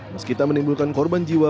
meskipun menimbulkan korban jiwa